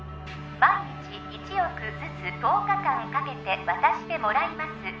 毎日１億ずつ１０日間かけて渡してもらいます